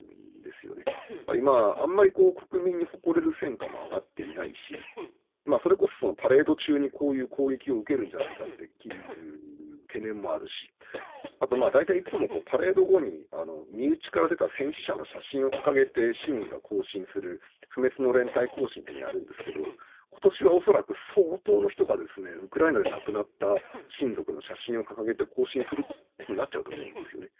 今、あまり国民に誇れる戦果もあがっていないしそれこそパレード中にこういう攻撃を受けるんではないかという懸念もあるしあと大体いつも、パレード後に身内から出た戦死者の写真を掲げて市民が行進する不滅の連隊行進というのをやるんですけれども今年は恐らく相当の人がウクライナで亡くなった親族の写真を掲げて行進することになっちゃうと思うんですよね。